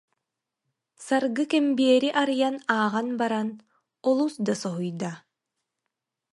Саргы кэмбиэри арыйан ааҕан баран олус да соһуйда